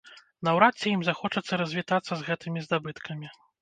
Наўрад ці ім захочацца развітацца з гэтымі здабыткамі.